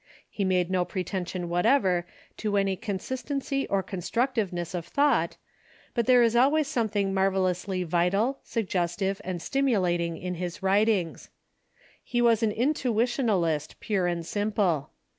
He made no pretension whatever to any consistency or constructiveness of thought, but there is always something marvellously vital, suggestive, and stimulating in his writings. He was an intuitionalist pure and simple.